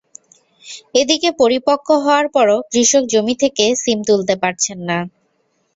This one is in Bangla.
এদিকে পরিপক্ব হওয়ার পরও কৃষক জমি থেকে শিম তুলতে পারছেন না।